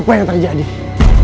aku akan berubah menjadi manusia